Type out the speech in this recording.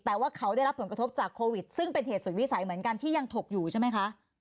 แต่ว่าเขาได้รับผลกระทบจากโควิดซึ่งเป็นเหตุสุดวิสัยเหมือนกันที่ยังถกอยู่ใช่ไหมคะ